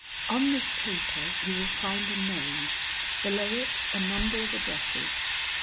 On this paper you will find a name; below it a number of addresses.